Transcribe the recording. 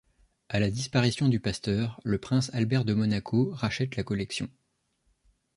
À la disparition du pasteur, le prince Albert de Monaco rachète la collection.